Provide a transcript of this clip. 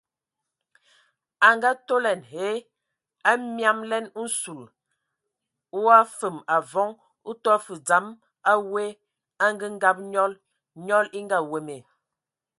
A ngaatolɛn hə,a miamlɛn nsul o afəm avɔŋ o tɔ fə dzam a we angəngab nyɔl, nyɔl e ngaweme.